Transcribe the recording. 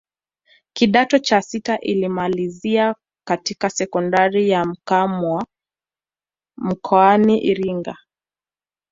Kidato cha sita alimalizia katika sekondari ya Mkwawa mkoani Iringa